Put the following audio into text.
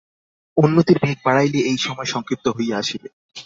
উন্নতির বেগ বাড়াইলে এই সময় সংক্ষিপ্ত হইয়া আসিবে।